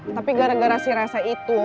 tapi gara gara si rasa itu